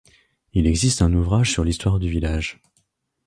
Il existe un ouvrage sur l'histoire du village.